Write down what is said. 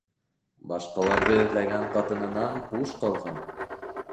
Башҡаларҙы эҙләгән ҡатынынан буш ҡалған.